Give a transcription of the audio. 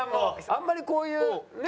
あんまりこういうね。